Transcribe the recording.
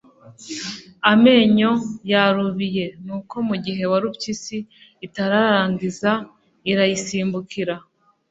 amenyo, yarubiye. nuko mu gihe warupyisi itararangiza, irayisimbukira